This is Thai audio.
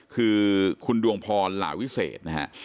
คือคุณดวงพรหลาวิเศษนะฮะ